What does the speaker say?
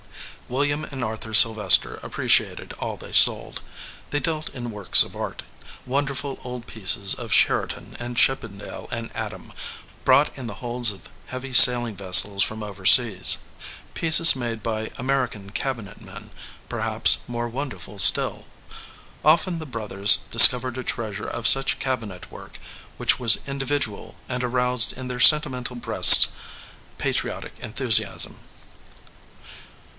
William and Arthur Sylvester appreciated all they sold. They dealt in works of art wonderful old pieces of Sheraton and Chippendale and Adam, brought in the holds of heaving sailing vessels from overseas; pieces made by American cabinet men, perhaps more wonderful still. Often the brothers discovered a treasure of such cabinet work which was individual and aroused in their senti mental breasts patriotic enthusiasm.